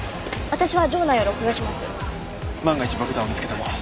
私は場内を録画します。